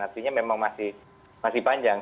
artinya memang masih panjang